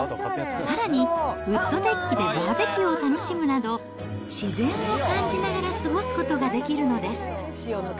さらにウッドデッキでバーベキューを楽しむなど、自然を感じながら過ごすことができるのです。